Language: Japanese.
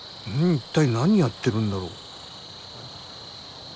一体何やってるんだろう。